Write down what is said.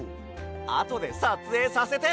あとでさつえいさせて！